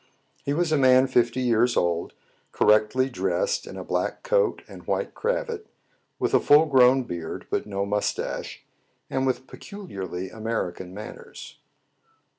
He was a man fifty years old, correctly dressed in a black coat and white cravat, with a full grown beard, but no mustache, and with peculiarly American manners.